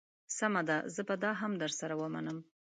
سمه ده زه به دا هم در سره ومنم.